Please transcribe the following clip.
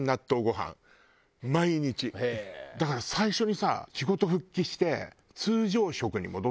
だから最初にさ仕事復帰して。